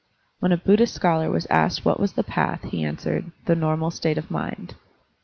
When a Buddhist scholar was asked what was the Path, he answered, "The normal state of mind."